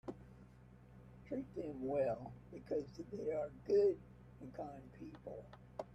Treat them well because they are good and kind people.